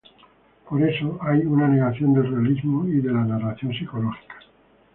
Por eso, hay una negación del realismo y de la narración psicológica.